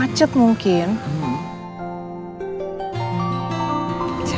nanti aku mau ke kondisi dia